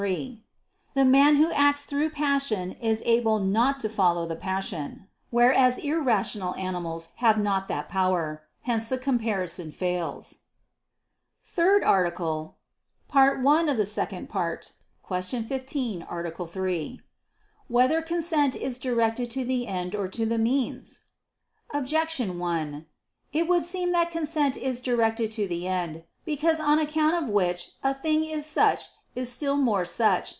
3: The man who acts through passion is able not to follow the passion: whereas irrational animals have not that power. Hence the comparison fails. ________________________ THIRD ARTICLE [I II, Q. 15, Art. 3] Whether Consent Is Directed to the End or to the Means? Objection 1: It would seem that consent is directed to the end. Because that on account of which a thing is such is still more such.